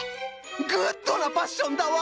グッドなパッションだわ！